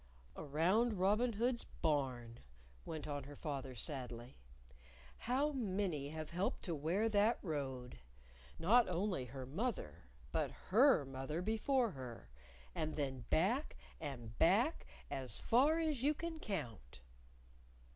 "Around Robin Hood's Barn!" went on her father sadly. "How many have helped to wear that road! Not only her mother, but her mother before her, and then back and back as far as you can count."